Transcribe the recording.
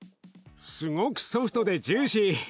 すごくソフトでジューシー。